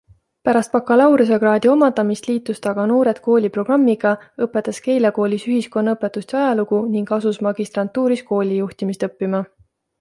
Pärast bakalaureusekraadi omandamist liitus ta aga Noored Kooli programmiga, õpetas Keila koolis ühiskonnaõpetust ja ajalugu ning asus magistrantuuris koolijuhtimist õppima.